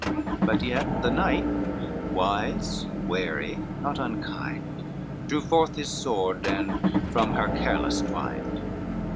But yet the knight, wise, wary, not unkind, Drew forth his sword and from her careless twined.